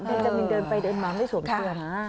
เบนเจมินเดินไปเดินมาไม่ส่วนเกือบ